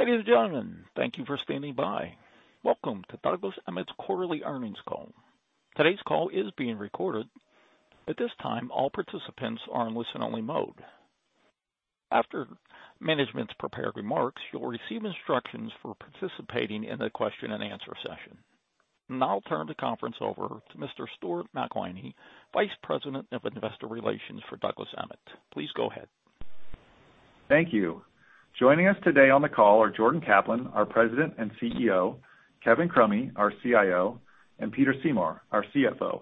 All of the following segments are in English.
Ladies and gentlemen, thank you for standing by. Welcome to Douglas Emmett's quarterly earnings call. Today's call is being recorded. At this time, all participants are in listen-only mode. After management's prepared remarks, you'll receive instructions for participating in the question-and-answer session. I'll turn the conference over to Mr. Stuart McElhinney, Vice President of Investor Relations for Douglas Emmett. Please go ahead. Thank you. Joining us today on the call are Jordan Kaplan, our President and CEO, Kevin Crummy, our CIO, and Peter Seymour, our CFO.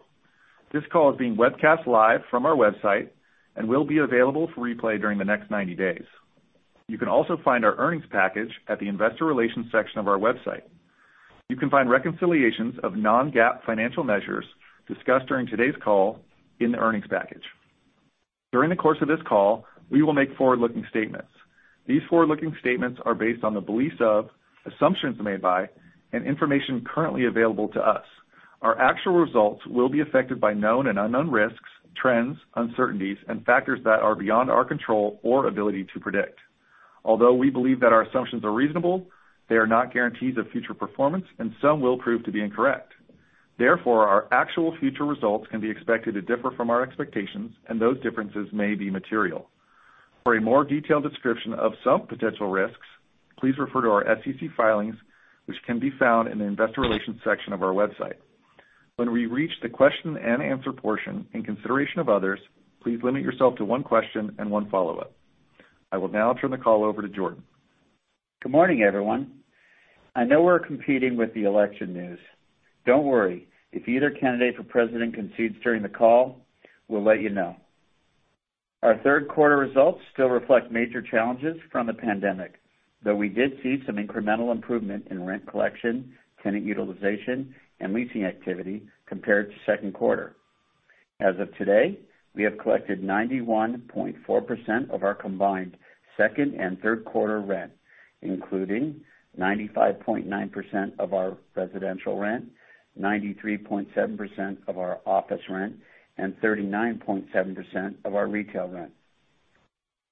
This call is being webcast live from our website and will be available for replay during the next 90 days. You can also find our earnings package at the investor relations section of our website. You can find reconciliations of non-GAAP financial measures discussed during today's call in the earnings package. During the course of this call, we will make forward-looking statements. These forward-looking statements are based on the beliefs of, assumptions made by, and information currently available to us. Our actual results will be affected by known and unknown risks, trends, uncertainties and factors that are beyond our control or ability to predict. Although we believe that our assumptions are reasonable, they are not guarantees of future performance and some will prove to be incorrect. Therefore, our actual future results can be expected to differ from our expectations, and those differences may be material. For a more detailed description of some potential risks, please refer to our SEC filings, which can be found in the investor relations section of our website. When we reach the question-and-answer portion, in consideration of others, please limit yourself to one question and one follow-up. I will now turn the call over to Jordan. Good morning, everyone. I know we're competing with the election news. Don't worry, if either candidate for president concedes during the call, we'll let you know. Our third quarter results still reflect major challenges from the pandemic, though we did see some incremental improvement in rent collection, tenant utilization, and leasing activity compared to second quarter. As of today, we have collected 91.4% of our combined second and third quarter rent, including 95.9% of our residential rent, 93.7% of our office rent, and 39.7% of our retail rent.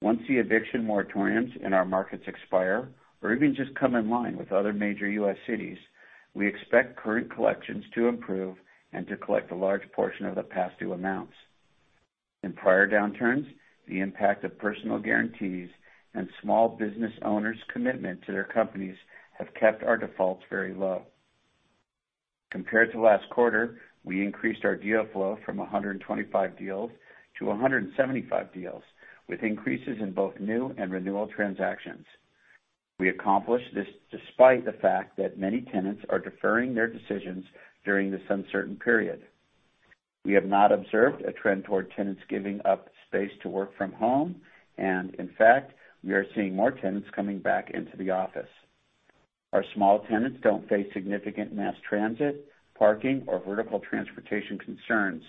Once the eviction moratoriums in our markets expire, or even just come in line with other major U.S. cities, we expect current collections to improve and to collect a large portion of the past due amounts. In prior downturns, the impact of personal guarantees and small business owners' commitment to their companies have kept our defaults very low. Compared to last quarter, we increased our deal flow from 125 deals to 175 deals, with increases in both new and renewal transactions. We accomplished this despite the fact that many tenants are deferring their decisions during this uncertain period. We have not observed a trend toward tenants giving up space to work from home, and in fact, we are seeing more tenants coming back into the office. Our small tenants don't face significant mass transit, parking, or vertical transportation concerns,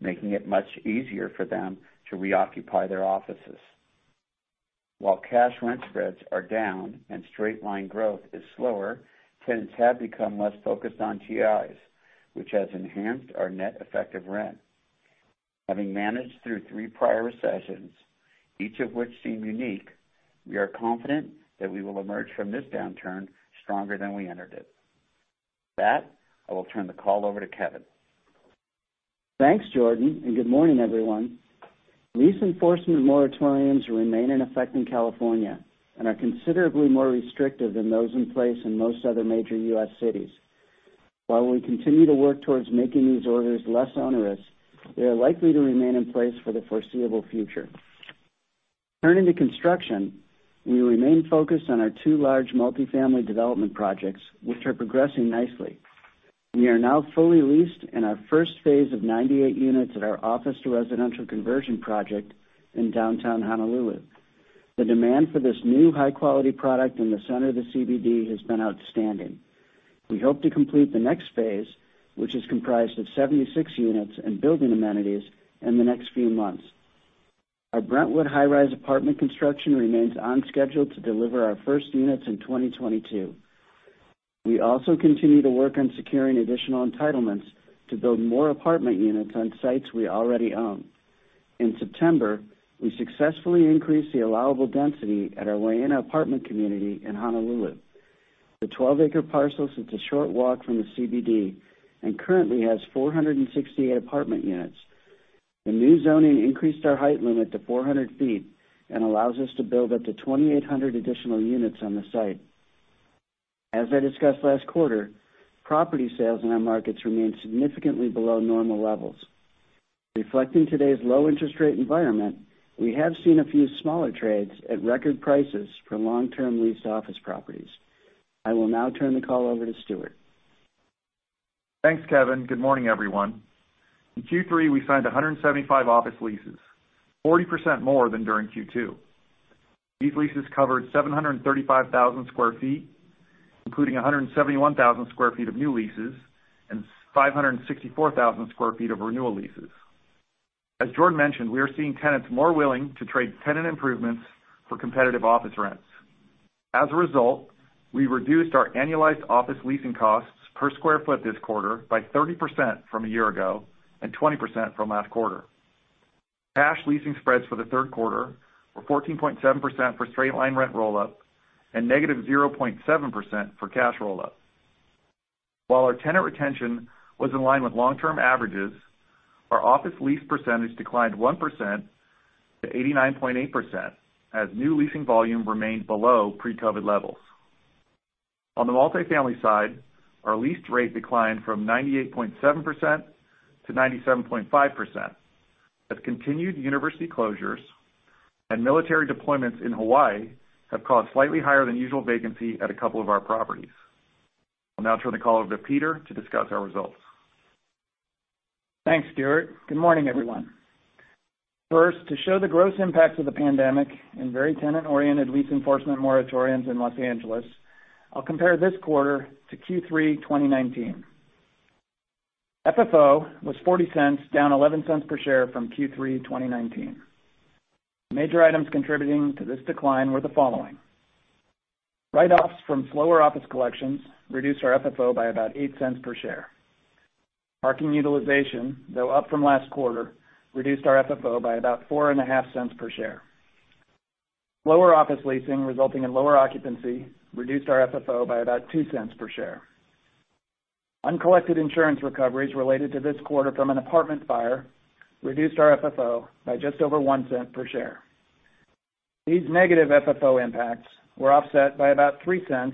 making it much easier for them to reoccupy their offices. While cash rent spreads are down and straight line growth is slower, tenants have become less focused on TIs, which has enhanced our net effective rent. Having managed through three prior recessions, each of which seem unique, we are confident that we will emerge from this downturn stronger than we entered it. With that, I will turn the call over to Kevin. Thanks, Jordan, and good morning, everyone. Lease enforcement moratoriums remain in effect in California and are considerably more restrictive than those in place in most other major U.S. cities. While we continue to work towards making these orders less onerous, they are likely to remain in place for the foreseeable future. Turning to construction, we remain focused on our two large multifamily development projects, which are progressing nicely. We are now fully leased in our first phase of 98 units at our office to residential conversion project in downtown Honolulu. The demand for this new high-quality product in the center of the CBD has been outstanding. We hope to complete the next phase, which is comprised of 76 units and building amenities in the next few months. Our Brentwood high-rise apartment construction remains on schedule to deliver our first units in 2022. We also continue to work on securing additional entitlements to build more apartment units on sites we already own. In September, we successfully increased the allowable density at our Waena Apartment community in Honolulu. The 12-acre parcel sits a short walk from the CBD and currently has 468 apartment units. The new zoning increased our height limit to 400 ft and allows us to build up to 2,800 additional units on the site. As I discussed last quarter, property sales in our markets remain significantly below normal levels. Reflecting today's low interest rate environment, we have seen a few smaller trades at record prices for long-term leased office properties. I will now turn the call over to Stuart. Thanks, Kevin. Good morning, everyone. In Q3, we signed 175 office leases, 40% more than during Q2. These leases covered 735,000 sq ft, including 171,000 sq ft of new leases and 564,000 sq ft of renewal leases. As Jordan mentioned, we are seeing tenants more willing to trade tenant improvements for competitive office rents. As a result, we reduced our annualized office leasing costs per square foot this quarter by 30% from a year ago and 20% from last quarter. Cash leasing spreads for the third quarter were 14.7% for straight line rent roll-up and -0.7% for cash roll-up. While our tenant retention was in line with long-term averages, our office lease percentage declined 1% to 89.8%, as new leasing volume remained below pre-COVID levels. On the multifamily side, our leased rate declined from 98.7% to 97.5%. As continued university closures and military deployments in Hawaii have caused slightly higher than usual vacancy at a couple of our properties. I'll now turn the call over to Peter to discuss our results. Thanks, Stuart. Good morning, everyone. First, to show the gross impact of the pandemic and very tenant-oriented lease enforcement moratoriums in Los Angeles, I'll compare this quarter to Q3 2019. FFO was $0.40, down $0.11 per share from Q3 2019. Major items contributing to this decline were the following. Write-offs from slower office collections reduced our FFO by about $0.08 per share. Parking utilization, though up from last quarter, reduced our FFO by about $0.045 per share. Lower office leasing resulting in lower occupancy reduced our FFO by about $0.02 per share. Uncollected insurance recoveries related to this quarter from an apartment fire reduced our FFO by just over $0.01 per share. These negative FFO impacts were offset by about $0.03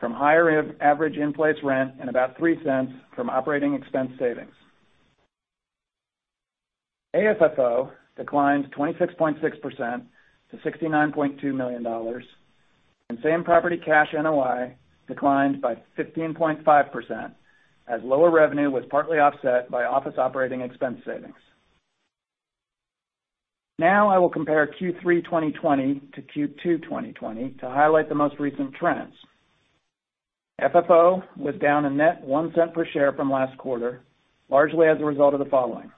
from higher average in-place rent and about $0.03 from operating expense savings. AFFO declined 26.6% to $69.2 million, and same property cash NOI declined by 15.5% as lower revenue was partly offset by office operating expense savings. Now I will compare Q3 2020 to Q2 2020 to highlight the most recent trends. FFO was down a net $0.01 per share from last quarter, largely as a result of the following.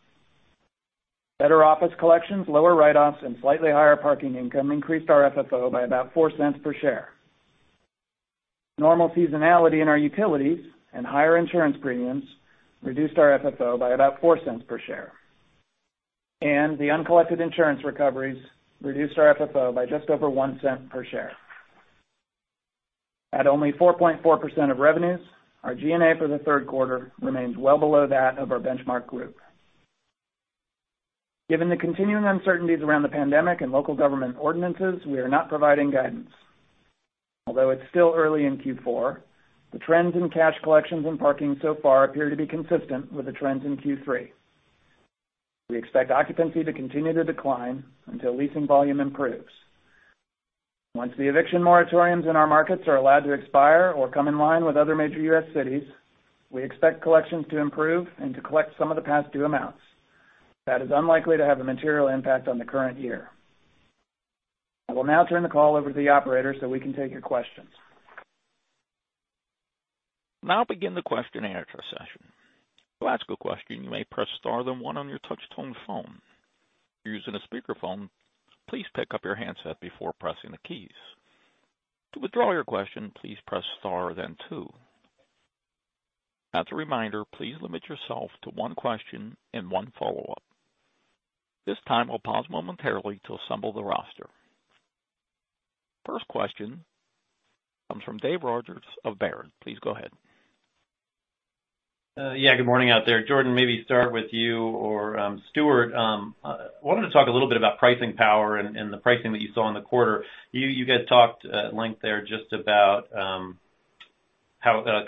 Better office collections, lower write-offs, and slightly higher parking income increased our FFO by about $0.04 per share. Normal seasonality in our utilities and higher insurance premiums reduced our FFO by about $0.04 per share. The uncollected insurance recoveries reduced our FFO by just over $0.01 per share. At only 4.4% of revenues, our G&A for the third quarter remains well below that of our benchmark group. Given the continuing uncertainties around the pandemic and local government ordinances, we are not providing guidance. Although it's still early in Q4, the trends in cash collections and parking so far appear to be consistent with the trends in Q3. We expect occupancy to continue to decline until leasing volume improves. Once the eviction moratoriums in our markets are allowed to expire or come in line with other major U.S. cities, we expect collections to improve and to collect some of the past due amounts. That is unlikely to have a material impact on the current year. I will now turn the call over to the operator so we can take your questions. I'll now begin the question-and-answer session. To ask a question, you may press star and one on your touchtone phone. If you are using speakerphone, please pick up your handset before pressing the keys. To withdraw your question, please press star then two. As a reminder, please limit yourself to one question and one follow-up. This time, we'll pause momentarily to assemble the roster. First question comes from Dave Rodgers of Baird. Please go ahead. Yeah, good morning out there. Jordan, maybe start with you or Stuart. I wanted to talk a little bit about pricing power and the pricing that you saw in the quarter. You guys talked at length there just about how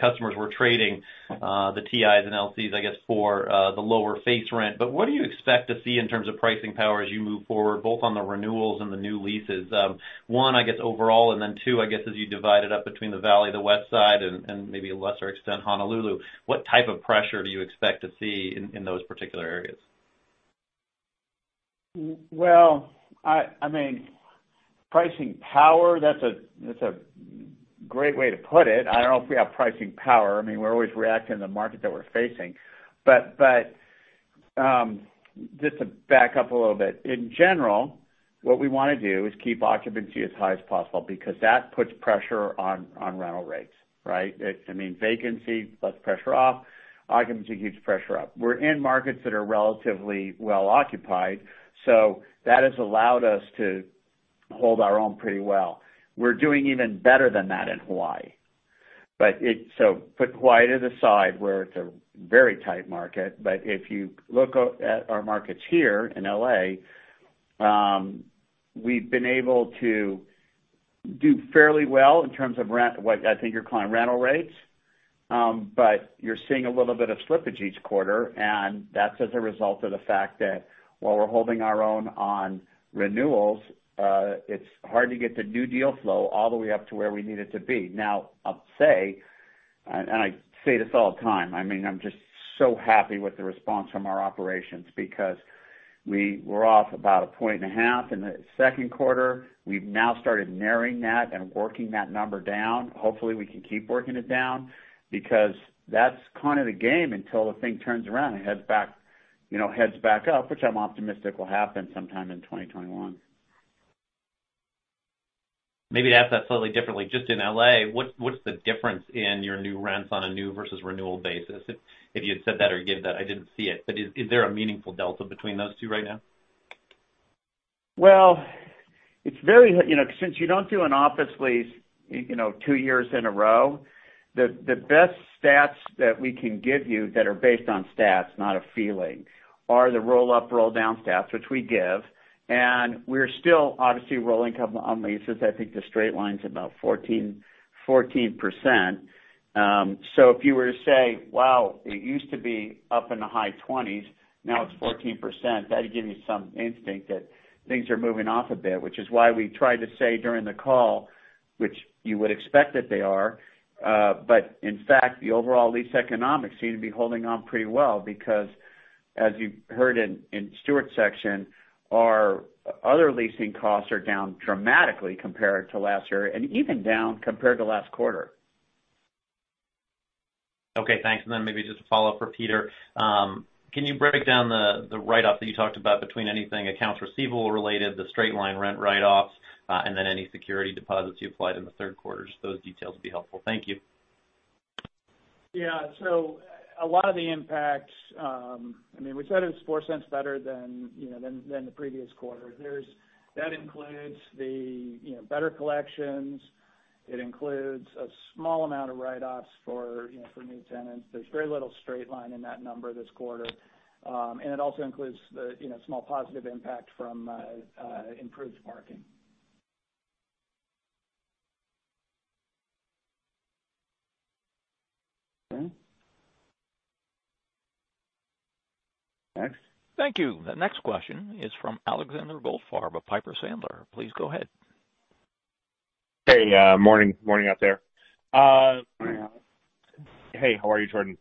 customers were trading the TIs and LCs, I guess for the lower face rent. What do you expect to see in terms of pricing power as you move forward, both on the renewals and the new leases? One, I guess overall, and then two, I guess as you divide it up between the Valley, the Westside, and maybe a lesser extent, Honolulu, what type of pressure do you expect to see in those particular areas? Well, pricing power, that's a great way to put it. I don't know if we have pricing power. We're always reacting to the market that we're facing. Just to back up a little bit, in general, what we want to do is keep occupancy as high as possible because that puts pressure on rental rates, right? Vacancy lets pressure off, occupancy keeps pressure up. We're in markets that are relatively well occupied, so that has allowed us to hold our own pretty well. We're doing even better than that in Hawaii. Put Hawaii to the side, where it's a very tight market. If you look at our markets here in L.A., we've been able to do fairly well in terms of what I think you're calling rental rates. You're seeing a little bit of slippage each quarter, and that's as a result of the fact that while we're holding our own on renewals, it's hard to get the new deal flow all the way up to where we need it to be. Now, I'll say, and I say this all the time, I'm just so happy with the response from our operations because we were off about a point and 1/2 in the second quarter. We've now started narrowing that and working that number down. Hopefully, we can keep working it down because that's kind of the game until the thing turns around and heads back up, which I'm optimistic will happen sometime in 2021. Maybe to ask that slightly differently, just in L.A., what's the difference in your new rents on a new versus renewal basis? If you had said that or given that, I didn't see it, but is there a meaningful delta between those two right now? Since you don't do an office lease, two years in a row, the best stats that we can give you that are based on stats, not a feeling, are the roll-up roll-down stats, which we give. We're still obviously rolling a couple of leases. I think the straight line's about 14%. If you were to say, "Wow, it used to be up in the high 20s, now it's 14%," that'd give you some instinct that things are moving off a bit, which is why we tried to say during the call, which you would expect that they are. In fact, the overall lease economics seem to be holding on pretty well because, as you heard in Stuart's section, our other leasing costs are down dramatically compared to last year, and even down compared to last quarter. Okay, thanks. Then maybe just a follow-up for Peter. Can you break down the write-off that you talked about between anything accounts receivable-related, the straight-line rent write-offs, and then any security deposits you applied in the third quarter? Just those details would be helpful. Thank you. Yeah. A lot of the impacts, we said it's $0.04 better than the previous quarter. That includes the better collections. It includes a small amount of write-offs for new tenants. There's very little straight line in that number this quarter. It also includes the small positive impact from improved parking. Okay. Next. Thank you. The next question is from Alexander Goldfarb of Piper Sandler. Please go ahead. Hey, morning. Morning out there. Morning. Hey, how are you, Jordan?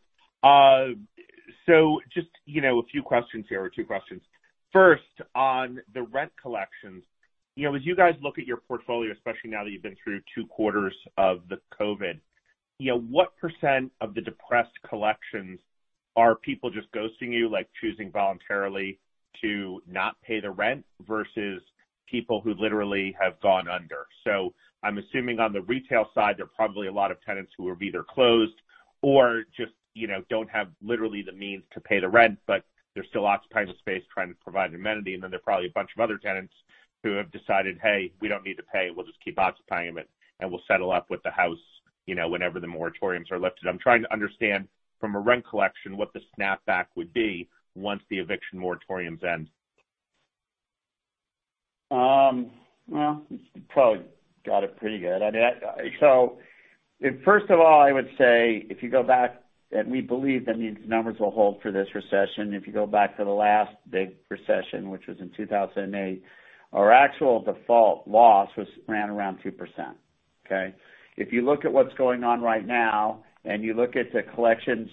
Just a few questions here or two questions. First, on the rent collections, as you guys look at your portfolio, especially now that you've been through two quarters of the COVID, what percent of the depressed collections are people just ghosting you, like choosing voluntarily to not pay the rent, versus people who literally have gone under? I'm assuming on the retail side, there are probably a lot of tenants who have either closed or just don't have literally the means to pay the rent, but they're still occupying the space trying to provide an amenity. There are probably a bunch of other tenants who have decided, "Hey, we don't need to pay. We'll just keep occupying it, and we'll settle up with the house whenever the moratoriums are lifted." I'm trying to understand from a rent collection, what the snap back would be once the eviction moratoriums end. Well, you probably got it pretty good. First of all, I would say if you go back, we believe that these numbers will hold for this recession. If you go back to the last big recession, which was in 2008, our actual default loss ran around 2%. Okay? If you look at what's going on right now, and you look at the collections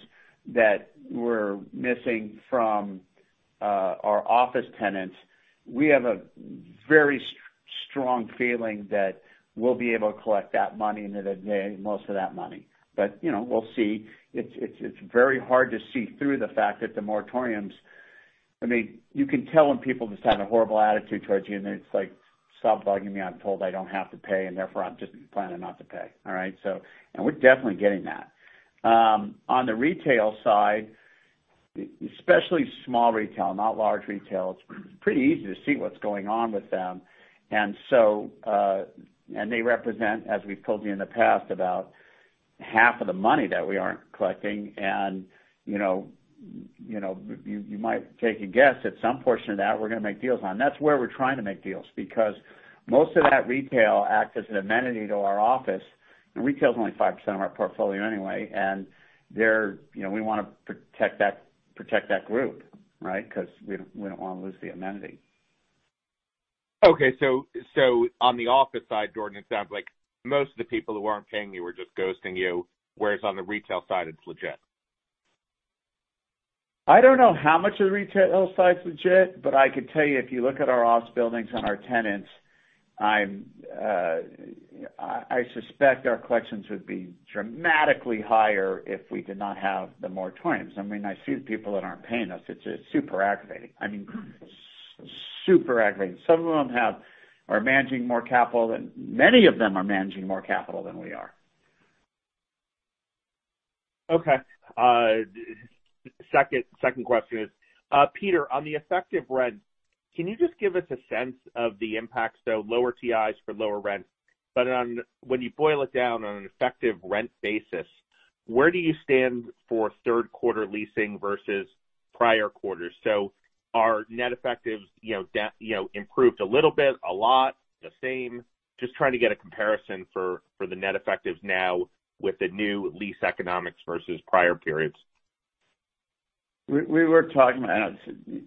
that we're missing from our office tenants, we have a very strong feeling that we'll be able to collect that money, most of that money. We'll see. It's very hard to see through the fact that the moratoriums. You can tell when people just have a horrible attitude towards you, and it's like, "Stop bugging me. I'm told I don't have to pay, and therefore I'm just planning not to pay." All right? We're definitely getting that. On the retail side, especially small retail, not large retail, it's pretty easy to see what's going on with them. They represent, as we've told you in the past, about half of the money that we aren't collecting, and you might take a guess that some portion of that we're going to make deals on. That's where we're trying to make deals, because most of that retail acts as an amenity to our office, and retail's only 5% of our portfolio anyway. We want to protect that group, right? Because we don't want to lose the amenity. Okay. On the office side, Jordan, it sounds like most of the people who aren't paying you are just ghosting you, whereas on the retail side, it's legit. I don't know how much of the retail side's legit, but I could tell you if you look at our office buildings and our tenants, I suspect our collections would be dramatically higher if we did not have the moratoriums. I see the people that aren't paying us. It's super aggravating. I mean, super aggravating. Many of them are managing more capital than we are. Okay. Second question is, Peter, on the effective rent, can you just give us a sense of the impact? Lower TIs for lower rent, but when you boil it down on an effective rent basis, where do you stand for third quarter leasing versus prior quarters? Are net effectives improved a little bit? A lot? The same? Just trying to get a comparison for the net effectives now with the new lease economics versus prior periods. We were talking about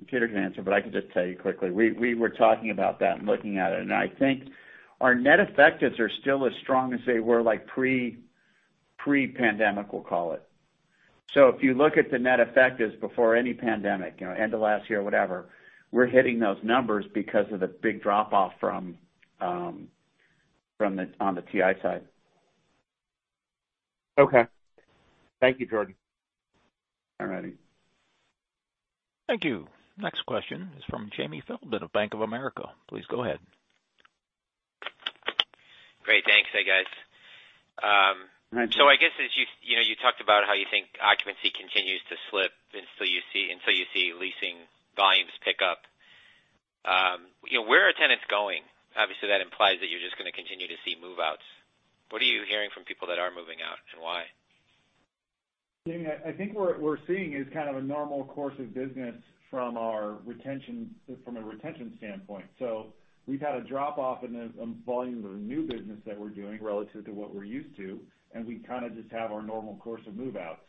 Peter can answer. I can just tell you quickly. We were talking about that and looking at it. I think our net effectives are still as strong as they were pre-pandemic, we'll call it. If you look at the net effectives before any pandemic, end of last year, whatever, we're hitting those numbers because of the big drop-off on the TI side. Okay. Thank you, Jordan. Thank you. Next question is from Jamie Feldman of Bank of America. Please go ahead. Great. Thanks. Hey, guys. Hi, Jamie. I guess since you talked about how you think occupancy continues to slip until you see leasing volumes pick up. Where are tenants going? Obviously, that implies that you're just going to continue to see move-outs. What are you hearing from people that are moving out, and why? Jamie, I think what we're seeing is kind of a normal course of business from a retention standpoint. We've had a drop off in the volume of new business that we're doing relative to what we're used to, and we kind of just have our normal course of move-outs.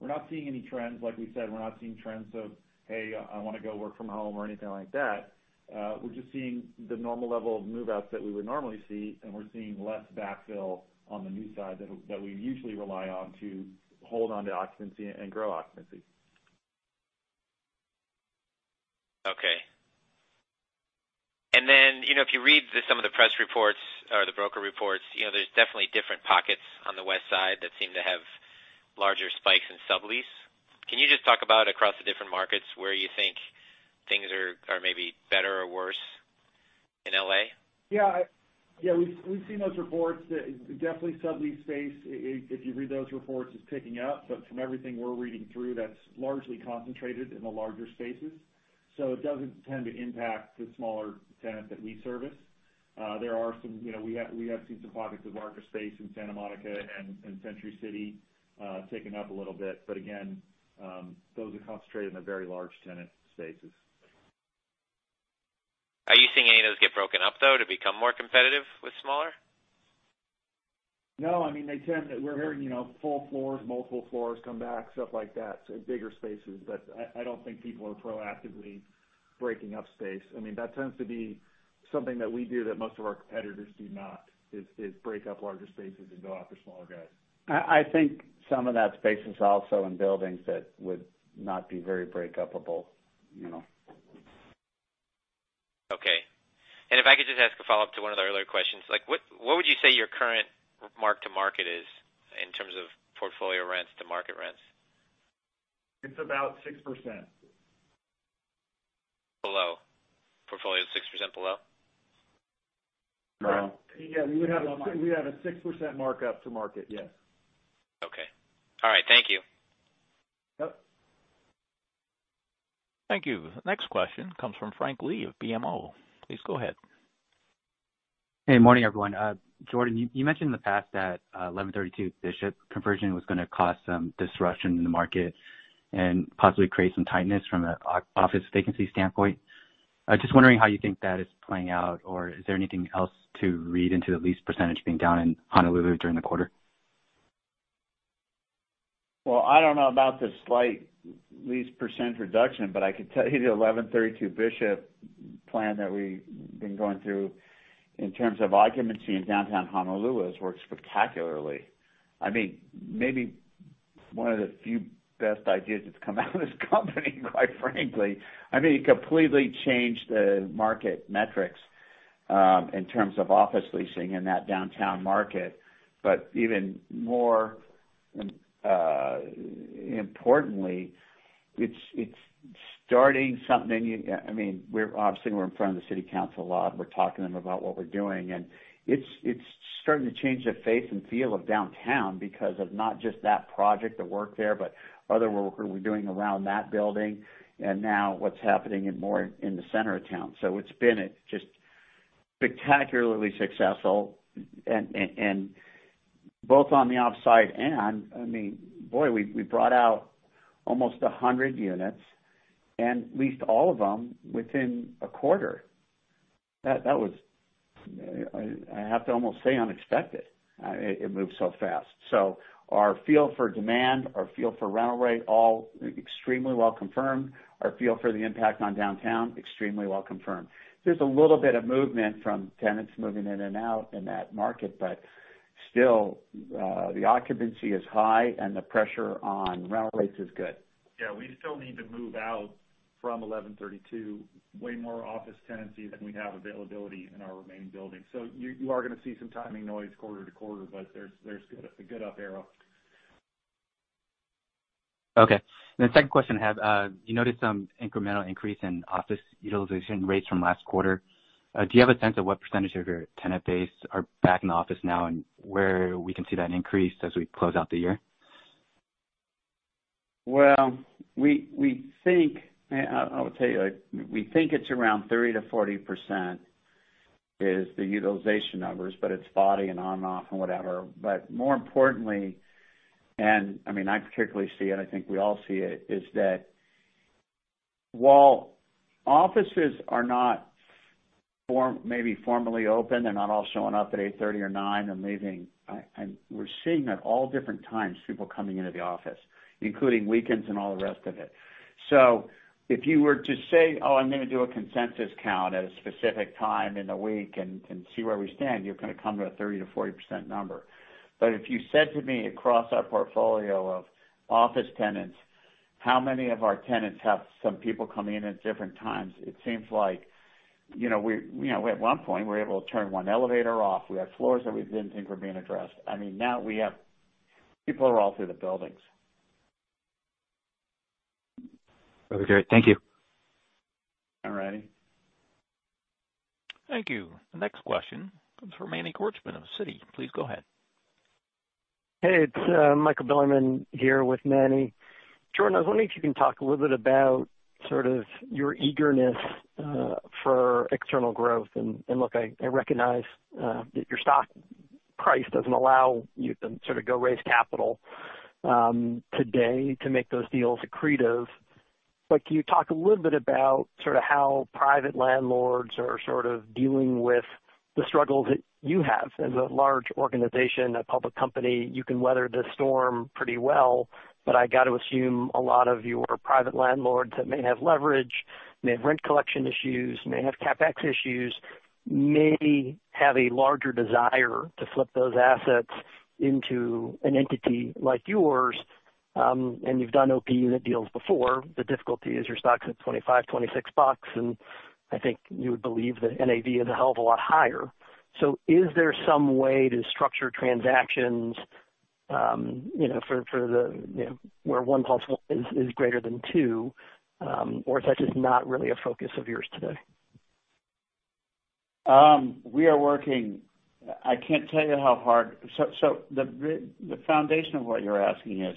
We're not seeing any trends, like we said, we're not seeing trends of, "Hey, I want to go work from home," or anything like that. We're just seeing the normal level of move-outs that we would normally see, and we're seeing less backfill on the new side that we usually rely on to hold onto occupancy and grow occupancy. Okay. If you read some of the press reports or the broker reports, there's definitely different pockets on the Westside that seem to have larger spikes in sublease. Can you just talk about across the different markets where you think things are maybe better or worse in L.A.? Yeah. We've seen those reports. Definitely sublease space, if you read those reports, is ticking up, but from everything we're reading through that's largely concentrated in the larger spaces. It doesn't tend to impact the smaller tenants that we service. We have seen some pockets of larger space in Santa Monica and Century City ticking up a little bit. Again, those are concentrated in the very large tenant spaces. Are you seeing any of those get broken up, though, to become more competitive with smaller? No. We're hearing full floors, multiple floors come back, stuff like that, so bigger spaces. I don't think people are proactively breaking up space. That tends to be something that we do that most of our competitors do not, is break up larger spaces and go after smaller guys. I think some of that space is also in buildings that would not be very break-up-able. Okay. If I could just ask a follow-up to one of the earlier questions. What would you say your current mark to market is in terms of portfolio rents to market rents? It's about 6%. Below. Portfolio is 6% below? Below. Yeah. We have a 6% mark up to market. Yes. Okay. All right. Thank you. Yep. Thank you. Next question comes from Frank Lee of BMO. Please go ahead. Hey, morning, everyone. Jordan, you mentioned in the past that 1132 Bishop conversion was going to cause some disruption in the market and possibly create some tightness from an office vacancy standpoint. Just wondering how you think that is playing out, or is there anything else to read into the lease percentage being down in Honolulu during the quarter? I don't know about the slight lease percent reduction, but I can tell you the 1132 Bishop plan that we've been going through in terms of occupancy in downtown Honolulu has worked spectacularly. Maybe one of the few best ideas that's come out of this company quite frankly. It completely changed the market metrics, in terms of office leasing in that downtown market. Even more importantly, it's starting something. Obviously, we're in front of the city council a lot. We're talking to them about what we're doing, and it's starting to change the face and feel of downtown because of not just that project, the work there, but other work we're doing around that building and now what's happening more in the center of town. It's been just spectacularly successful. Both on the office side, we brought out almost 100 units and leased all of them within a quarter. That was, I have to almost say, unexpected. It moved so fast. Our feel for demand, our feel for rental rate, all extremely well confirmed. Our feel for the impact on downtown, extremely well confirmed. There's a little bit of movement from tenants moving in and out in that market, but still, the occupancy is high and the pressure on rental rates is good. Yeah. We still need to move out from 1132 way more office tenancy than we have availability in our remaining buildings. You are going to see some timing noise quarter-to-quarter, but there's a good up arrow. Okay. The second question I have. You noticed some incremental increase in office utilization rates from last quarter. Do you have a sense of what percentage of your tenant base are back in the office now and where we can see that increase as we close out the year? I'll tell you, we think it's around 30%-40% is the utilization numbers, but it's spotty and on off and whatever. More importantly, and I particularly see it, I think we all see it, is that while offices are not maybe formally open, they're not all showing up at 8:30 or 9:00 and leaving. We're seeing at all different times people coming into the office, including weekends and all the rest of it. If you were to say, "Oh, I'm going to do a consensus count at a specific time in the week and see where we stand," you're going to come to a 30%-40% number. If you said to me across our portfolio of office tenants. How many of our tenants have some people coming in at different times? It seems like at one point, we were able to turn one elevator off. We had floors that we didn't think were being addressed. Now people are all through the buildings. Okay, great. Thank you. All righty. Thank you. The next question comes from Manny Korchman of Citi. Please go ahead. Hey, it's Michael Bilerman here with Manny. Jordan, I was wondering if you can talk a little bit about sort of your eagerness for external growth. Look, I recognize that your stock price doesn't allow you to sort of go raise capital today to make those deals accretive. Can you talk a little bit about how private landlords are sort of dealing with the struggles that you have as a large organization, a public company? You can weather the storm pretty well, but I got to assume a lot of your private landlords that may have leverage, may have rent collection issues, may have CapEx issues, may have a larger desire to flip those assets into an entity like yours, and you've done OP unit deals before. The difficulty is your stock's at $25, $26, and I think you would believe that NAV is a hell of a lot higher. Is there some way to structure transactions, where one plus one is greater than two? Is that just not really a focus of yours today? We are working. I can't tell you how hard. The foundation of what you're asking is,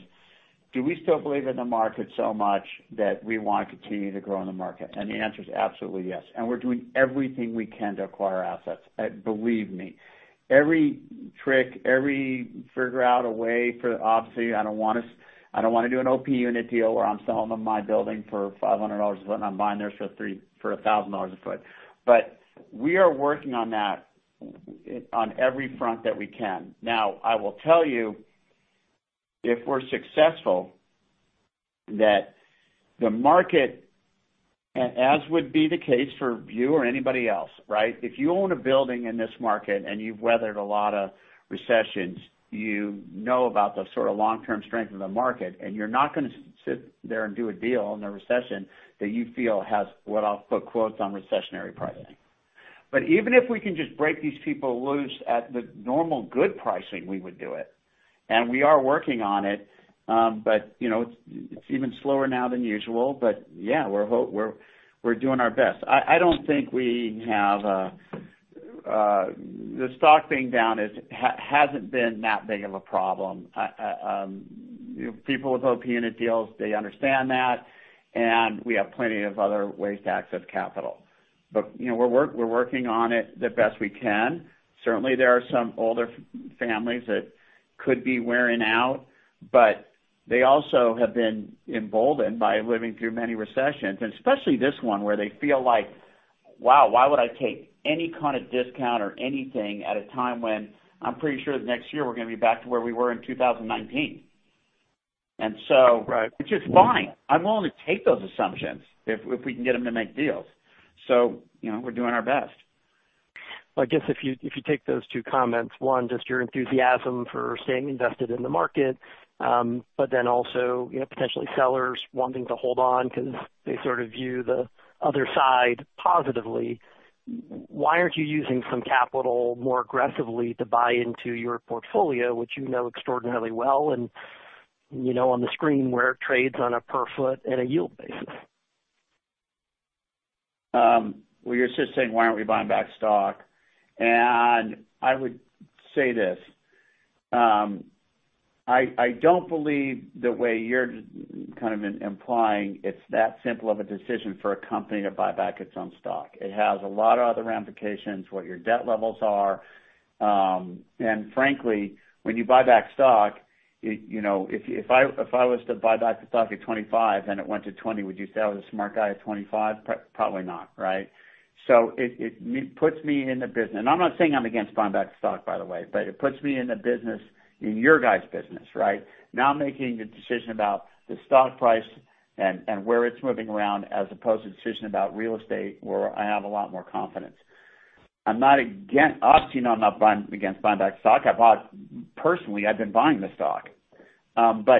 do we still believe in the market so much that we want to continue to grow in the market? The answer is absolutely yes. We're doing everything we can to acquire assets. Believe me, every trick, every figure out a way for Obviously, I don't want to do an OP unit deal where I'm selling them my building for $500 a foot and I'm buying theirs for $1,000 a foot. We are working on that on every front that we can. Now, I will tell you if we're successful, that the market, as would be the case for you or anybody else, right? If you own a building in this market and you've weathered a lot of recessions, you know about the sort of long-term strength of the market, and you're not gonna sit there and do a deal in a recession that you feel has what I'll put quotes on "recessionary pricing." Even if we can just break these people loose at the normal good pricing, we would do it, and we are working on it. It's even slower now than usual. Yeah, we're doing our best. I don't think we have the stock being down hasn't been that big of a problem. People with OP unit deals, they understand that, and we have plenty of other ways to access capital. We're working on it the best we can. Certainly, there are some older families that could be wearing out, but they also have been emboldened by living through many recessions, and especially this one, where they feel like, wow, why would I take any kind of discount or anything at a time when I'm pretty sure that next year we're gonna be back to where we were in 2019? Right. Which is fine. I'm willing to take those assumptions if we can get them to make deals. We're doing our best. Well, I guess if you take those two comments, one, just your enthusiasm for staying invested in the market, but then also potentially sellers wanting to hold on because they sort of view the other side positively. Why aren't you using some capital more aggressively to buy into your portfolio, which you know extraordinarily well and you know on the screen where it trades on a per foot and a yield basis? Well, you're just saying, why aren't we buying back stock? I would say this. I don't believe the way you're kind of implying it's that simple of a decision for a company to buy back its own stock. It has a lot of other ramifications, what your debt levels are. Frankly, when you buy back stock, if I was to buy back the stock at 25 and it went to 20, would you say I was a smart guy at 25? Probably not, right? It puts me in the business. I'm not saying I'm against buying back stock, by the way, but it puts me in the business, in your guys' business, right? Now I'm making a decision about the stock price and where it's moving around as opposed to a decision about real estate, where I have a lot more confidence. Obviously, I'm not against buying back stock. Personally, I've been buying the stock.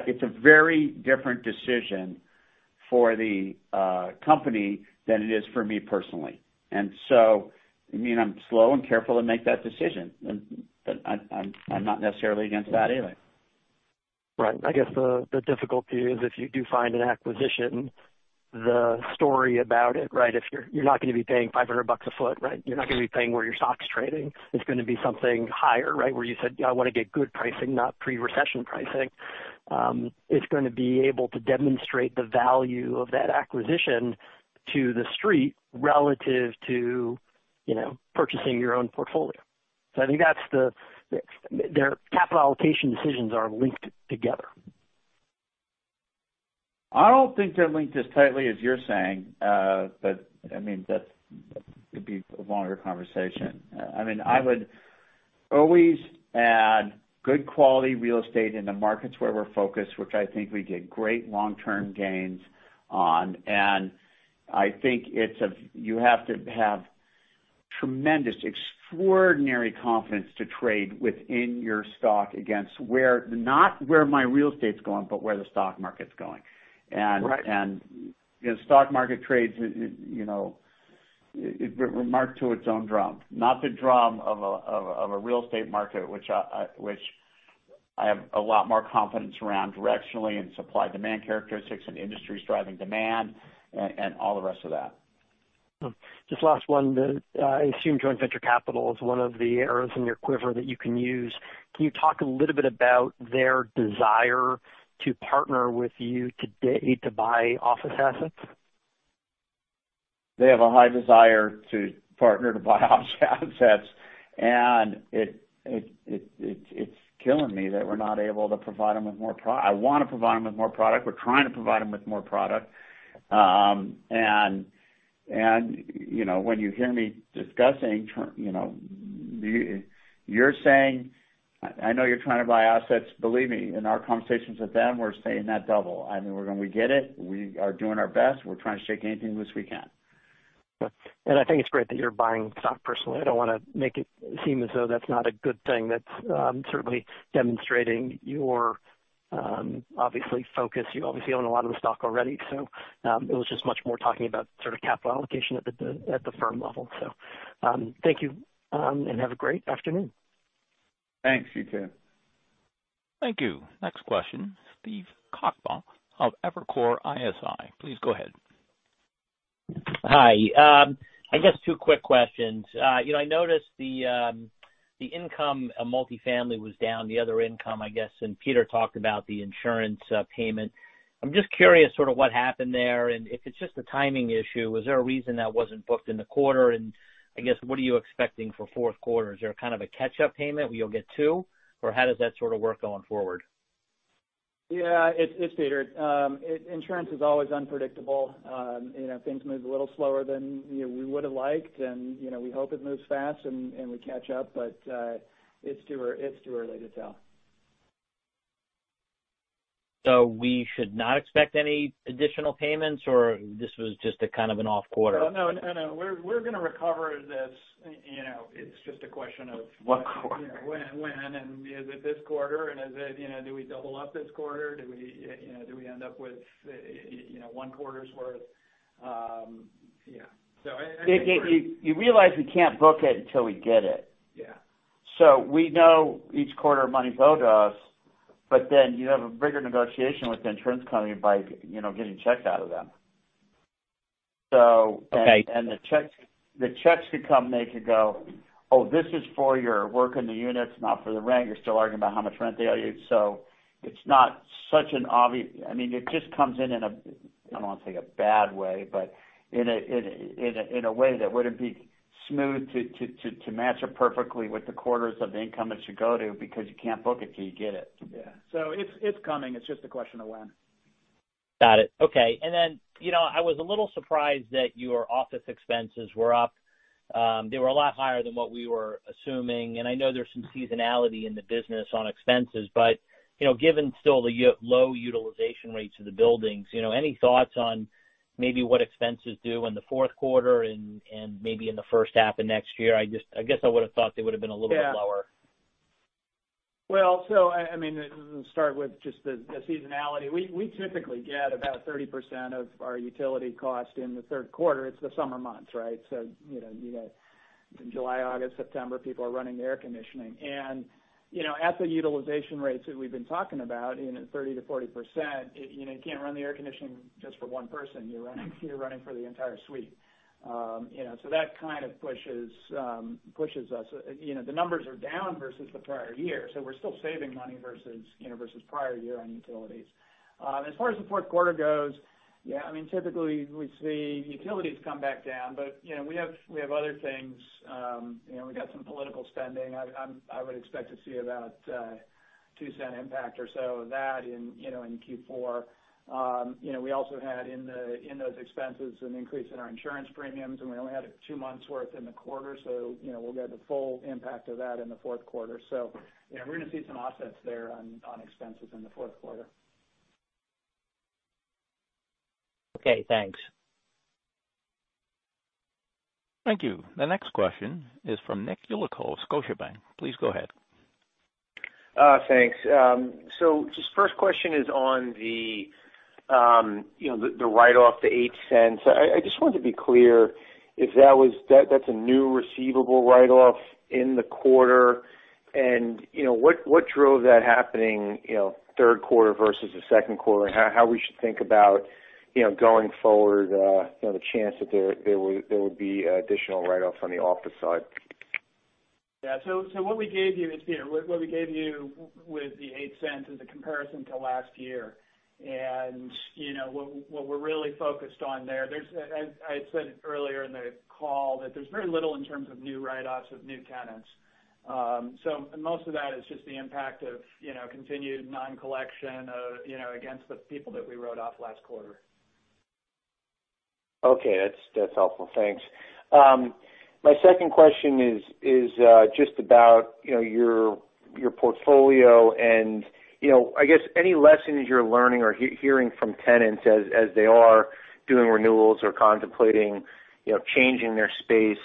It's a very different decision for the company than it is for me personally. I'm slow and careful to make that decision. I'm not necessarily against that anyway. Right. I guess the difficulty is if you do find an acquisition, the story about it, right? If you're not gonna be paying 500 bucks a foot, right? You're not gonna be paying where your stock's trading. It's gonna be something higher, right? Where you said, I want to get good pricing, not pre-recession pricing. It's gonna be able to demonstrate the value of that acquisition to the street relative to purchasing your own portfolio. I think their capital allocation decisions are linked together. I don't think they're linked as tightly as you're saying. That could be a longer conversation. I would always add good quality real estate in the markets where we're focused, which I think we get great long-term gains on. I think you have to have tremendous, extraordinary confidence to trade within your stock against not where my real estate's going, but where the stock market's going. Right. Stock market trades, it marks to its own drum, not the drum of a real estate market, which I have a lot more confidence around directionally and supply-demand characteristics and industries driving demand and all the rest of that. Just last one. I assume joint venture capital is one of the arrows in your quiver that you can use. Can you talk a little bit about their desire to partner with you today to buy office assets? They have a high desire to partner to buy office assets, and it's killing me that we're not able to provide them with more product. I want to provide them with more product. We're trying to provide them with more product. When you hear me discussing, you're saying, I know you're trying to buy assets. Believe me, in our conversations with them, we're saying that double. We get it. We are doing our best. We're trying to shake anything loose we can. I think it's great that you're buying stock personally. I don't want to make it seem as though that's not a good thing. That's certainly demonstrating your focus. You obviously own a lot of the stock already. It was just much more talking about capital allocation at the firm level. Thank you, and have a great afternoon. Thanks, you too. Thank you. Next question, Steve Sakwa of Evercore ISI. Please go ahead. Hi. I guess two quick questions. I noticed the income multifamily was down, the other income, I guess, and Peter talked about the insurance payment. I'm just curious sort of what happened there, and if it's just a timing issue, was there a reason that wasn't booked in the quarter? I guess, what are you expecting for fourth quarter? Is there a kind of a catch-up payment where you'll get two, or how does that sort of work going forward? Yeah. It's Peter. Insurance is always unpredictable. Things move a little slower than we would've liked, and we hope it moves fast, and we catch up, but it's too early to tell. We should not expect any additional payments, or this was just a kind of an off quarter? No, we're going to recover this. It's just a question of- What quarter? when and is it this quarter, and do we double up this quarter? Do we end up with one quarter's worth? Yeah. I think. You realize we can't book it until we get it. Yeah. We know each quarter money flow to us, but then you have a bigger negotiation with the insurance company by getting checks out of them. Okay The checks could come, they could go, "Oh, this is for your work in the units, not for the rent." You're still arguing about how much rent they owe you. It's not such an obvious. It just comes in, I don't want to say a bad way, but in a way that wouldn't be smooth to match up perfectly with the quarters of the income it should go to because you can't book it till you get it. Yeah. It's coming. It's just a question of when. Got it. Okay. I was a little surprised that your office expenses were up. They were a lot higher than what we were assuming. I know there's some seasonality in the business on expenses. Given still the low utilization rates of the buildings, any thoughts on maybe what expenses do in the fourth quarter and, maybe in the first half of next year? I guess I would've thought they would've been a little bit lower. Yeah. Well, to start with just the seasonality. We typically get about 30% of our utility cost in the third quarter. It's the summer months, right? In July, August, September, people are running the air conditioning. At the utilization rates that we've been talking about, 30%-40%, you can't run the air conditioning just for one person. You're running for the entire suite. That kind of pushes us. The numbers are down versus the prior year, we're still saving money versus prior year on utilities. As far as the fourth quarter goes, yeah, typically we see utilities come back down, we have other things. We got some political spending. I would expect to see about a $0.02 impact or so of that in Q4. We also had in those expenses an increase in our insurance premiums. We only had two months worth in the quarter, so we'll get the full impact of that in the fourth quarter. Yeah, we're going to see some offsets there on expenses in the fourth quarter. Okay, thanks. Thank you. The next question is from Nick Yulico, Scotiabank. Please go ahead. Thanks. Just first question is on the write-off to $0.08. I just wanted to be clear if that's a new receivable write-off in the quarter, and what drove that happening third quarter versus the second quarter, and how we should think about, going forward, the chance that there would be additional write-offs on the office side. Yeah. What we gave you is here. What we gave you with the $0.08 is a comparison to last year. What we're really focused on there, as I had said earlier in the call, that there's very little in terms of new write-offs with new tenants. Most of that is just the impact of continued non-collection against the people that we wrote off last quarter. Okay. That's helpful. Thanks. My second question is just about your your portfolio and I guess any lessons you're learning or hearing from tenants as they are doing renewals or contemplating changing their space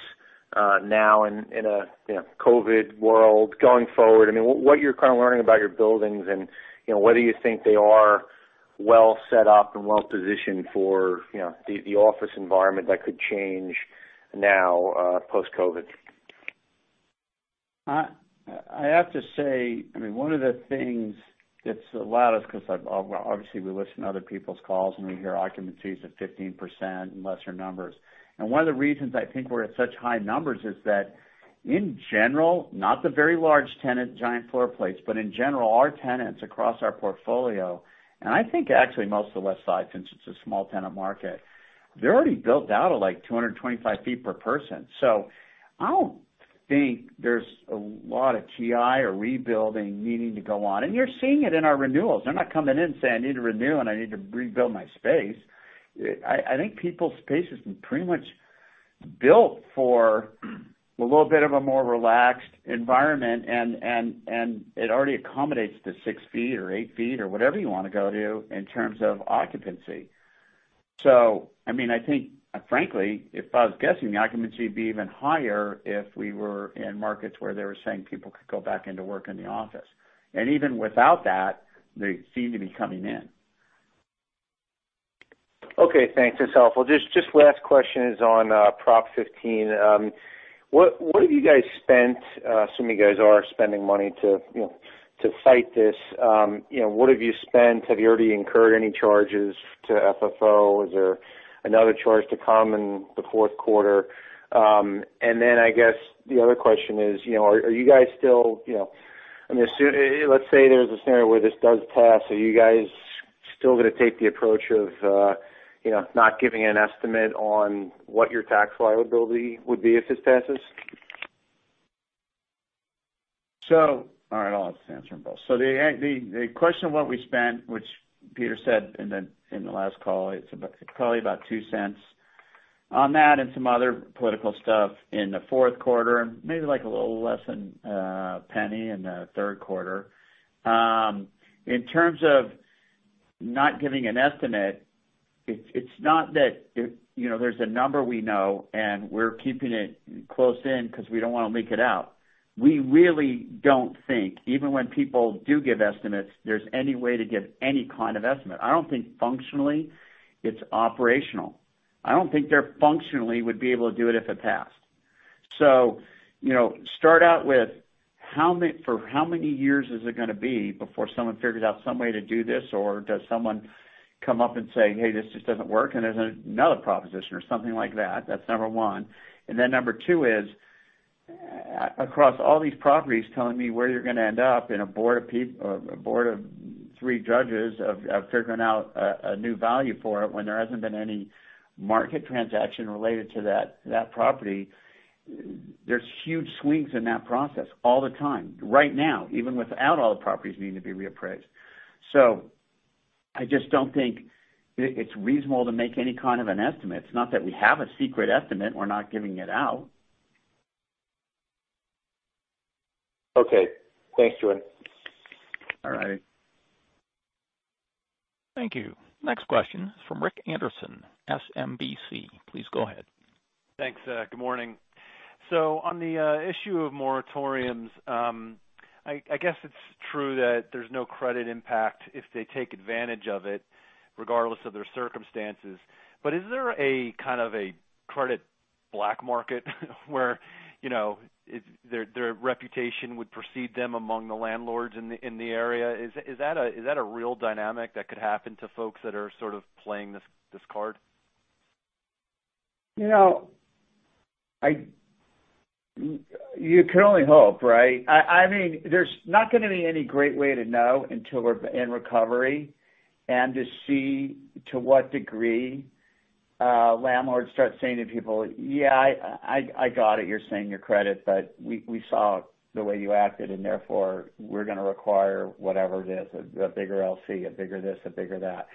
now in a COVID world going forward. What you're currently learning about your buildings and whether you think they are well set up and well-positioned for the office environment that could change now, post-COVID. I have to say, one of the things that's allowed us, because obviously we listen to other people's calls, and we hear occupancies of 15% and lesser numbers. One of the reasons I think we're at such high numbers is that in general, not the very large tenant giant floor plates, but in general, our tenants across our portfolio, and I think actually most of the Westside, since it's a small tenant market, they're already built out at like 225 ft per person. I don't think there's a lot of TIs or rebuilding needing to go on. You're seeing it in our renewals. They're not coming in saying, "I need to renew, and I need to rebuild my space." I think people's space has been pretty much built for a little bit of a more relaxed environment, and it already accommodates the six feet or eight feet or whatever you want to go to in terms of occupancy. I think, frankly, if I was guessing, the occupancy would be even higher if we were in markets where they were saying people could go back into work in the office. Even without that, they seem to be coming in. Okay, thanks. That's helpful. Just last question is on Prop 15. What have you guys spent, assuming you guys are spending money to fight this, what have you spent? Have you already incurred any charges to FFO? Is there another charge to come in the fourth quarter? I guess the other question is, let's say there's a scenario where this does pass. Are you guys still going to take the approach of not giving an estimate on what your tax liability would be if this passes? All right, I'll just answer them both. The question of what we spent, which Peter said in the last call, it's probably about $0.02 on that and some other political stuff in the fourth quarter, maybe like a little less than $0.01 in the third quarter. In terms of not giving an estimate, it's not that there's a number we know, and we're keeping it close in because we don't want to leak it out. We really don't think, even when people do give estimates, there's any way to give any kind of estimate. I don't think functionally it's operational. I don't think they functionally would be able to do it if it passed. Start out with, for how many years is it going to be before someone figures out some way to do this, or does someone come up and say, "Hey, this just doesn't work, and there's another Proposition or something like that." That's number one. Number two is, across all these properties telling me where you're going to end up in a board of three judges of figuring out a new value for it when there hasn't been any market transaction related to that property. There's huge swings in that process all the time, right now, even without all the properties needing to be reappraised. I just don't think it's reasonable to make any kind of an estimate. It's not that we have a secret estimate, we're not giving it out. Okay. Thanks, Jordan. All right. Thank you. Next question is from Rick Anderson, SMBC. Please go ahead. Thanks. Good morning. On the issue of moratoriums, I guess it's true that there's no credit impact if they take advantage of it, regardless of their circumstances. Is there a kind of a credit black market where their reputation would precede them among the landlords in the area? Is that a real dynamic that could happen to folks that are sort of playing this card? You can only hope, right? There's not going to be any great way to know until we're in recovery and to see to what degree landlords start saying to people, "Yeah, I got it. You're saying your credit, but we saw the way you acted, and therefore we're going to require whatever it is, a bigger LC, a bigger this, a bigger that."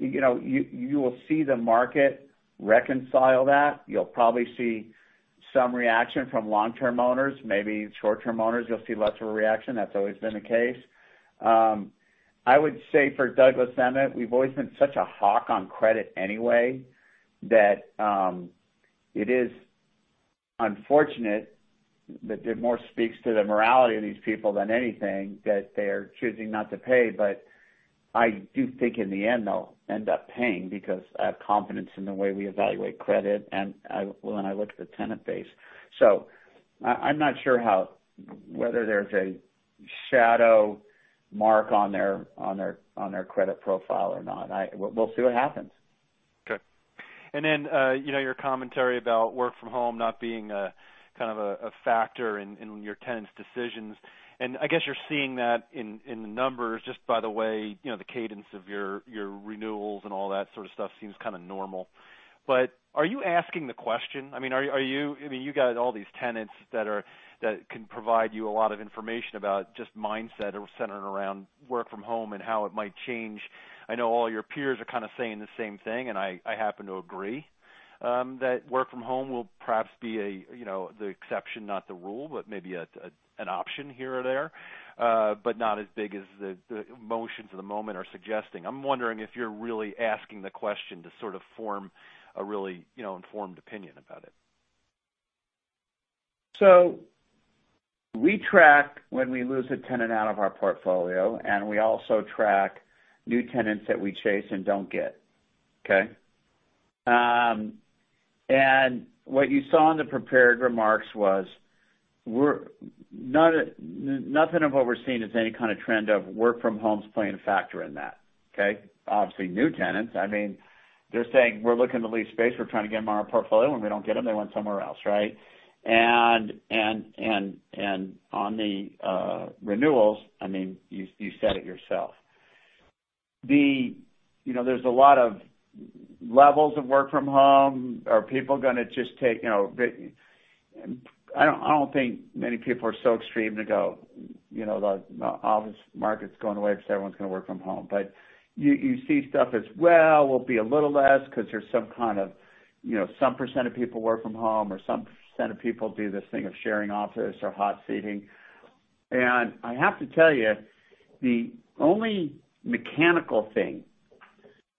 You will see the market reconcile that. You'll probably see some reaction from long-term owners, maybe short-term owners, you'll see less of a reaction. That's always been the case. I would say for Douglas Emmett, we've always been such a hawk on credit anyway, that it is unfortunate that it more speaks to the morality of these people than anything that they're choosing not to pay. I do think in the end, they'll end up paying because I have confidence in the way we evaluate credit and when I look at the tenant base. I'm not sure whether there's a shadow mark on their credit profile or not. We'll see what happens. Okay. Your commentary about work from home not being a factor in your tenants' decisions, and I guess you're seeing that in the numbers, just by the way the cadence of your renewals and all that sort of stuff seems kind of normal. Are you asking the question? You got all these tenants that can provide you a lot of information about just mindset centered around work from home and how it might change. I know all your peers are kind of saying the same thing, and I happen to agree, that work from home will perhaps be the exception, not the rule, but maybe an option here or there. Not as big as the motions of the moment are suggesting. I'm wondering if you're really asking the question to sort of form a really informed opinion about it. We track when we lose a tenant out of our portfolio, and we also track new tenants that we chase and don't get. Okay. What you saw in the prepared remarks was nothing of what we're seeing as any kind of trend of work from home is playing a factor in that. Okay. Obviously, new tenants, they're saying, "We're looking to lease space." We're trying to get them on our portfolio. When we don't get them, they went somewhere else, right. On the renewals, you said it yourself. There's a lot of levels of work from home. Are people going to just take I don't think many people are so extreme to go, the office market's going away because everyone's going to work from home. You see stuff as well, will be a little less because there's some percent of people work from home or some percent of people do this thing of sharing office or hot seating. I have to tell you, the only mechanical thing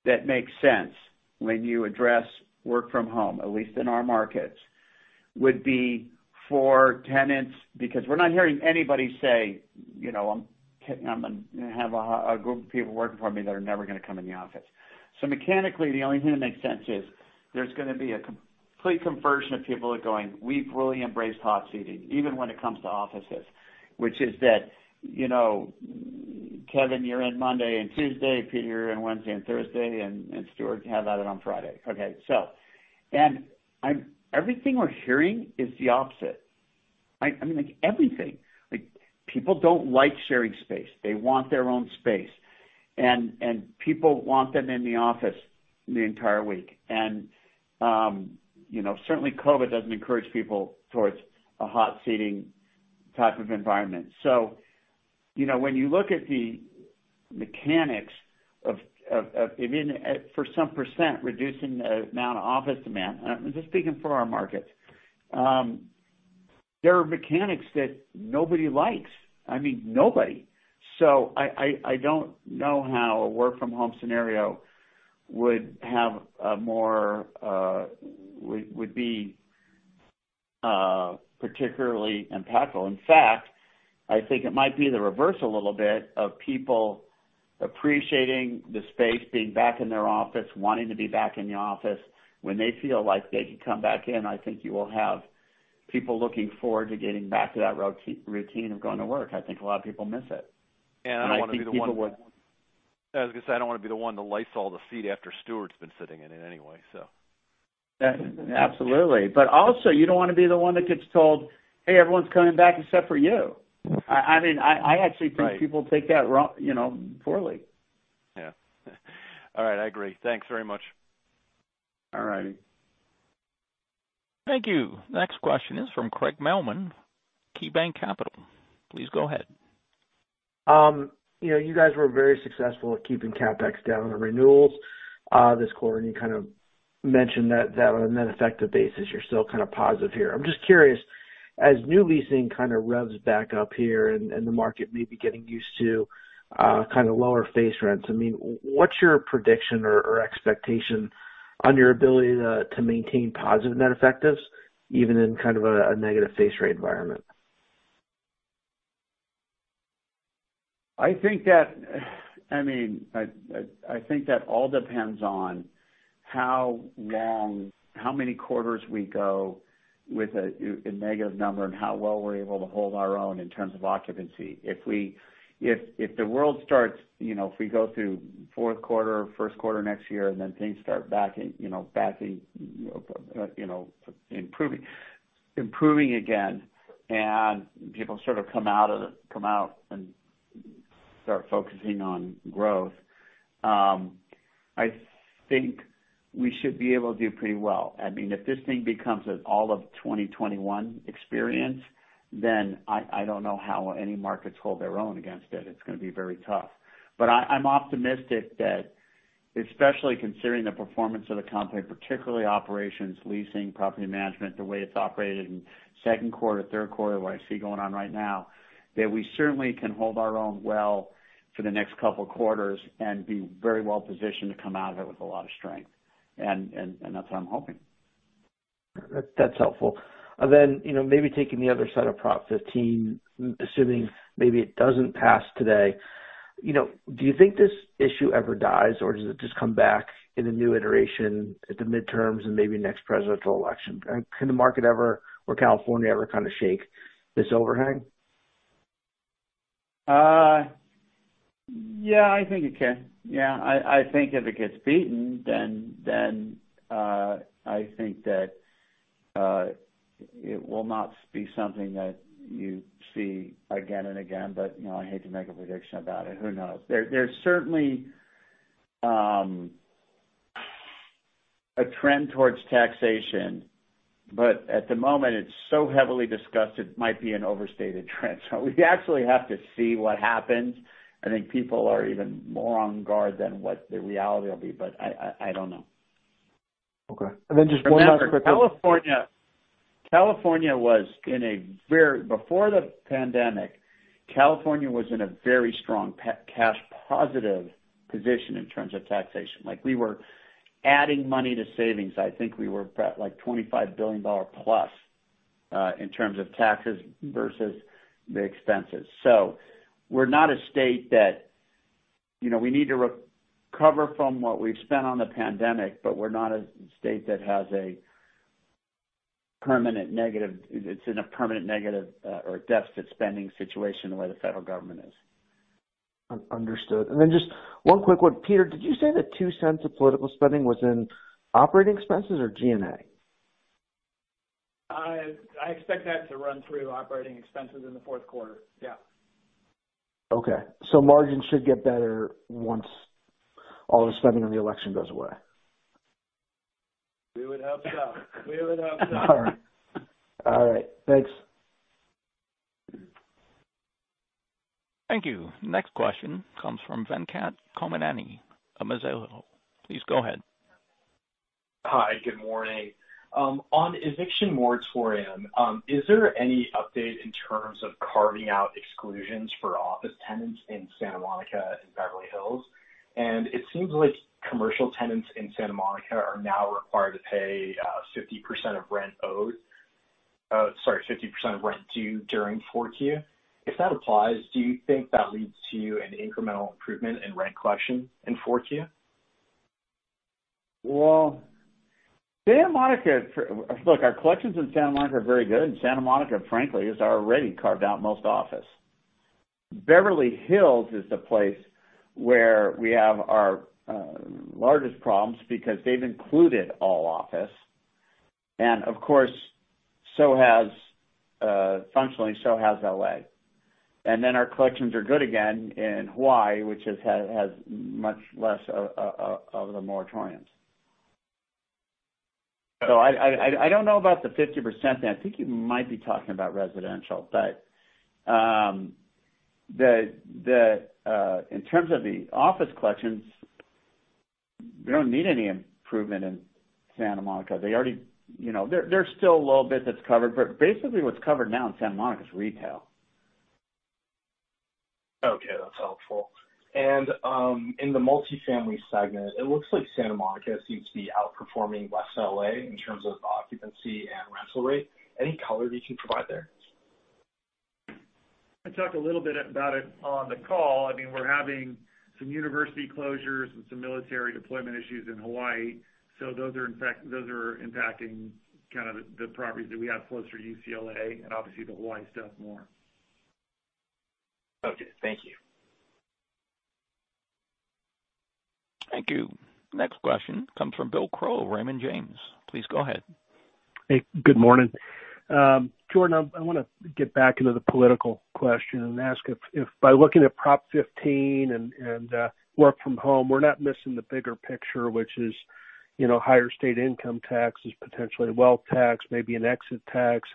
that makes sense when you address work from home, at least in our markets, would be for tenants, because we're not hearing anybody say, I have a group of people working for me that are never going to come in the office. Mechanically, the only thing that makes sense is there's going to be a complete conversion of people are going, we've really embraced hot seating, even when it comes to offices, which is that, Kevin, you're in Monday and Tuesday, Peter, you're in Wednesday and Thursday, and Stuart, have at it on Friday. Okay. Everything we're hearing is the opposite. I mean, like, everything. People don't like sharing space. They want their own space, and people want them in the office the entire week. Certainly COVID doesn't encourage people towards a hot seating type of environment. When you look at the mechanics for some percent reducing the amount of office demand, I'm just speaking for our markets, there are mechanics that nobody likes. I mean, nobody. I don't know how a work from home scenario would be particularly impactful. In fact, I think it might be the reverse a little bit of people appreciating the space, being back in their office, wanting to be back in the office when they feel like they can come back in. I think you will have people looking forward to getting back to that routine of going to work. I think a lot of people miss it. I think people. I don't want to be the one to Lysol the seat after Stuart's been sitting in it anyway. Absolutely. Also, you don't want to be the one that gets told, "Hey, everyone's coming back except for you." I actually think people take that poorly. Yeah. All right. I agree. Thanks very much. All right. Thank you. Next question is from Craig Mailman, KeyBanc Capital. Please go ahead. You guys were very successful at keeping CapEx down on renewals, this quarter, and you kind of mentioned that on a net effective basis, you're still kind of positive here. I'm just curious, as new leasing kind of revs back up here and the market may be getting used to kind of lower face rents, what's your prediction or expectation on your ability to maintain positive net effectives even in kind of a negative face rent environment? I think that all depends on how many quarters we go with a negative number and how well we're able to hold our own in terms of occupancy. If we go through fourth quarter, first quarter next year, and then things start improving again, and people sort of come out and start focusing on growth, I think we should be able to do pretty well. If this thing becomes an all of 2021 experience, then I don't know how any markets hold their own against it. It's going to be very tough. I'm optimistic that, especially considering the performance of the company, particularly operations, leasing, property management, the way it's operated in second quarter, third quarter, what I see going on right now, that we certainly can hold our own well for the next couple of quarters and be very well positioned to come out of it with a lot of strength. That's what I'm hoping. That's helpful. Maybe taking the other side of Prop 15, assuming maybe it doesn't pass today, do you think this issue ever dies, or does it just come back in a new iteration at the midterms and maybe next presidential election? Can the market ever, or California ever kind of shake this overhang? Yeah, I think it can. Yeah. I think if it gets beaten, then I think that it will not be something that you see again and again, but I hate to make a prediction about it. Who knows? There's certainly a trend towards taxation, but at the moment, it's so heavily discussed, it might be an overstated trend. We actually have to see what happens. I think people are even more on guard than what the reality will be, but I don't know. Okay. just one last quick one. Remember, California was in a very before the pandemic, California was in a very strong cash positive position in terms of taxation. We were adding money to savings. I think we were at $25 billion+ in terms of taxes versus the expenses. We're not a state that we need to recover from what we've spent on the pandemic, but we're not a state that's in a permanent negative or a deficit spending situation the way the federal government is. Understood. Just one quick one. Peter, did you say that $0.02 of political spending was in operating expenses or G&A? I expect that to run through operating expenses in the fourth quarter. Yeah. Okay. margins should get better once all the spending on the election goes away. We would hope so. All right, thanks. Thank you. Next question comes from Venkat Kommineni, Mizuho. Please go ahead. Hi, good morning. On eviction moratorium, is there any update in terms of carving out exclusions for office tenants in Santa Monica and Beverly Hills? It seems like commercial tenants in Santa Monica are now required to pay 50% of rent due during fourth Q. If that applies, do you think that leads to an incremental improvement in rent collection in 4Q? Look, our collections in Santa Monica are very good, and Santa Monica, frankly, is already carved out most office. Beverly Hills is the place where we have our largest problems because they've included all office. Of course, functionally, so has L.A. Our collections are good again in Hawaii, which has much less of the moratoriums. I don't know about the 50% then. I think you might be talking about residential, but in terms of the office collections, we don't need any improvement in Santa Monica. There's still a little bit that's covered, but basically what's covered now in Santa Monica is retail. Okay, that's helpful. In the multifamily segment, it looks like Santa Monica seems to be outperforming West L.A. in terms of occupancy and rental rate. Any color you can provide there? I talked a little bit about it on the call. We're having some university closures and some military deployment issues in Hawaii. Those are impacting kind of the properties that we have closer to UCLA and obviously the Hawaii stuff more. Okay. Thank you. Thank you. Next question comes from Bill Crow, Raymond James. Please go ahead. Hey, good morning. Jordan, I want to get back into the political question and ask if by looking at Prop 15 and work from home, we're not missing the bigger picture, which is higher state income taxes, potentially a wealth tax, maybe an exit tax.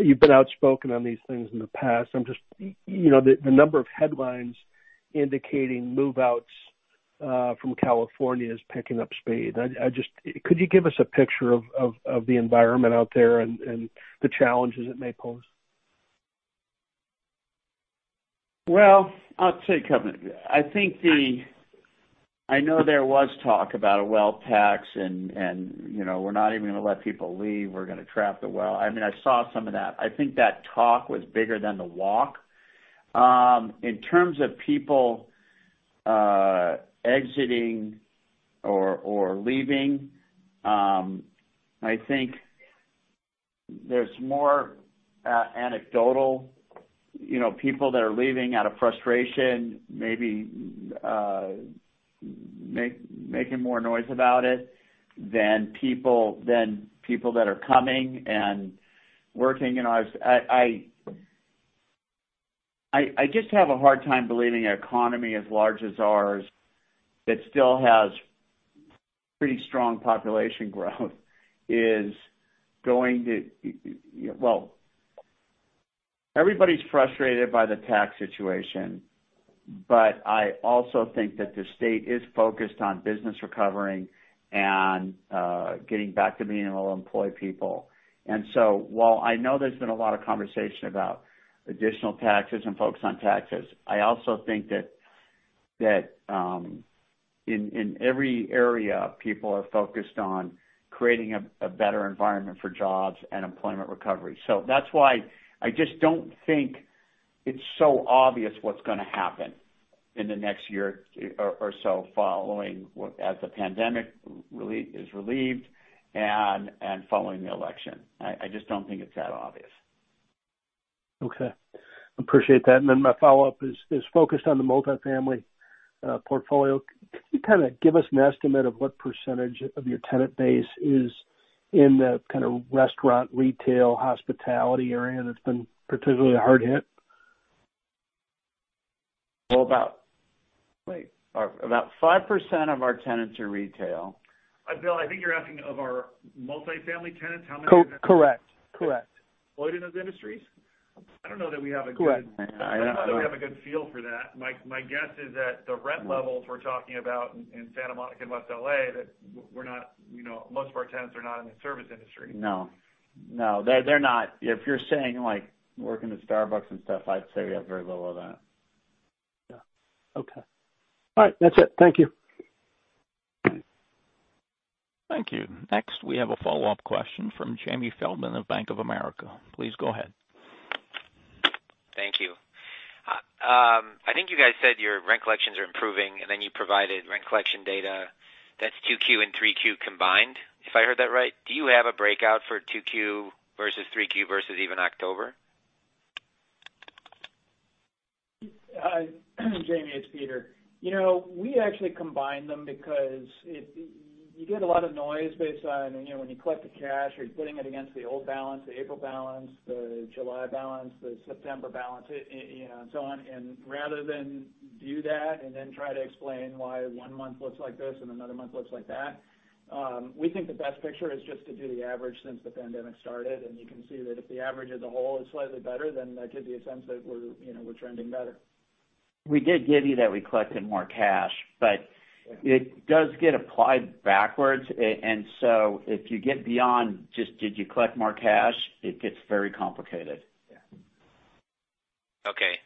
You've been outspoken on these things in the past. The number of headlines indicating move-outs from California is picking up speed. Could you give us a picture of the environment out there and the challenges it may pose? Well, I'll think of it. I know there was talk about a wealth tax, we're not even going to let people leave. We're going to trap the well. I saw some of that. I think that talk was bigger than the walk. In terms of people exiting or leaving, I think there's more anecdotal people that are leaving out of frustration, maybe making more noise about it than people that are coming and working. I just have a hard time believing an economy as large as ours that still has pretty strong population growth is going to. Everybody's frustrated by the tax situation, I also think that the state is focused on business recovering and getting back to being able to employ people. While I know there's been a lot of conversation about additional taxes and focus on taxes, I also think that in every area, people are focused on creating a better environment for jobs and employment recovery. That's why I just don't think it's so obvious what's going to happen in the next year or so following as the pandemic is relieved and following the election. I just don't think it's that obvious. Okay. Appreciate that. My follow-up is focused on the multifamily portfolio. Can you kind of give us an estimate of what percentage of your tenant base is in the kind of restaurant, retail, hospitality area that's been particularly hard hit? Well, about 5% of our tenants are retail. Bill, I think you're asking of our multifamily tenants, how many- Correct employed in those industries? I don't know that we have a good- Correct feel for that. My guess is that the rent levels we're talking about in Santa Monica and West L.A., that most of our tenants are not in the service industry. No, they're not. If you're saying like working at Starbucks and stuff, I'd say we have very little of that. Okay. All right. That's it. Thank you. Thank you. Next, we have a follow-up question from Jamie Feldman of Bank of America. Please go ahead. Thank you. I think you guys said your rent collections are improving, and then you provided rent collection data that's 2Q and 3Q combined, if I heard that right. Do you have a breakout for 2Q versus 3Q versus even October? Jamie, it's Peter. We actually combined them because you get a lot of noise based on when you collect the cash or you're putting it against the old balance, the April balance, the July balance, the September balance, and so on. Rather than do that and then try to explain why one month looks like this and another month looks like that, we think the best picture is just to do the average since the pandemic started, and you can see that if the average as a whole is slightly better, then that gives you a sense that we're trending better. We did give you that we collected more cash, it does get applied backwards. If you get beyond just did you collect more cash, it gets very complicated. Okay.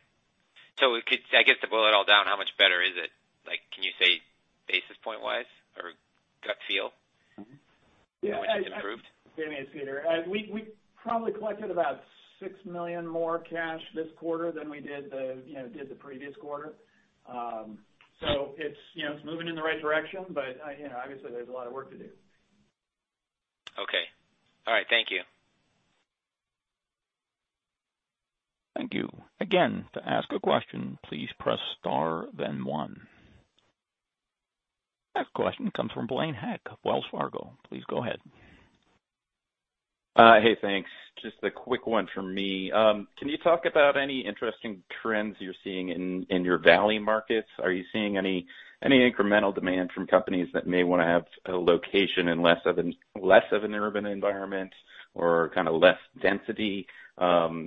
I guess to boil it all down, how much better is it? Can you say basis point-wise or gut feel how much it improved? Jamie, it's Peter. We probably collected about $6 million more cash this quarter than we did the previous quarter. It's moving in the right direction, but obviously there's a lot of work to do. Okay. All right. Thank you. Thank you. Again, to ask a question, please press star, then one. Next question comes from Blaine Heck of Wells Fargo. Please go ahead. Hey, thanks. Just a quick one from me. Can you talk about any interesting trends you're seeing in your Valley markets? Are you seeing any incremental demand from companies that may want to have a location in less of an urban environment or kind of less density?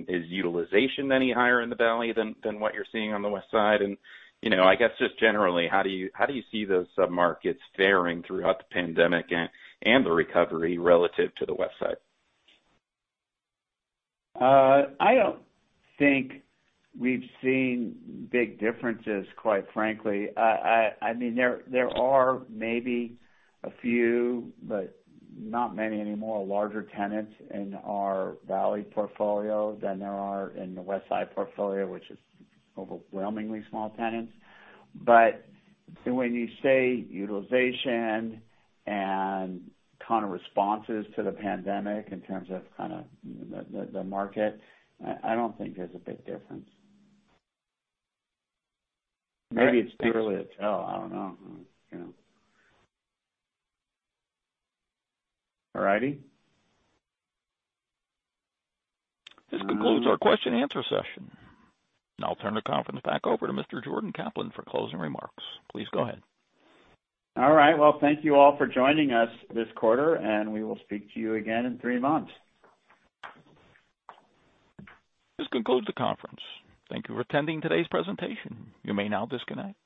Is utilization any higher in the Valley than what you're seeing on the Westside? I guess just generally, how do you see those sub-markets faring throughout the pandemic and the recovery relative to the Westside? I don't think we've seen big differences, quite frankly. There are maybe a few, but not many anymore larger tenants in our Valley portfolio than there are in the Westside portfolio, which is overwhelmingly small tenants. When you say utilization and kind of responses to the pandemic in terms of the market, I don't think there's a big difference. Maybe it's too early to tell. I don't know. This concludes our question and answer session. I'll turn the conference back over to Mr. Jordan Kaplan for closing remarks. Please go ahead. All right. Well, thank you all for joining us this quarter. We will speak to you again in three months. This concludes the conference. Thank you for attending today's presentation. You may now disconnect.